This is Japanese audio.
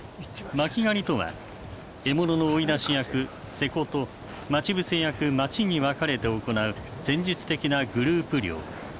巻き狩りとは獲物の追い出し役「勢子」と待ち伏せ役「待ち」に分かれて行う戦術的なグループ猟。